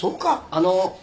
あの。